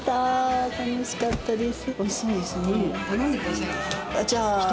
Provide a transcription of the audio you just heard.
楽しかったです。